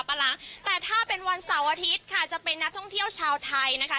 ปะหลังแต่ถ้าเป็นวันเสาร์อาทิตย์ค่ะจะเป็นนักท่องเที่ยวชาวไทยนะคะ